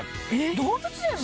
動物園も？